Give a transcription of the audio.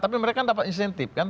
tapi mereka dapat insentif kan